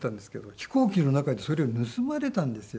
飛行機の中でそれを盗まれたんですよ。